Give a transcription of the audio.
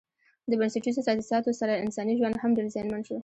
د بنسټیزو تاسیساتو سره انساني ژوند هم ډېر زیانمن شو.